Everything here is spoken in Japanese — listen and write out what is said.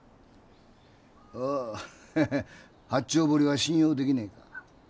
ああ八丁堀は信用できねえか。